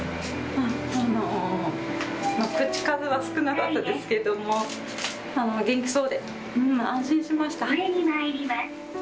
口数は少なかったですけども、元気そうで安心しました。